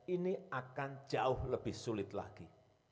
ini akan jauh lebih sulit lagi